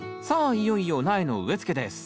いよいよ苗の植え付けです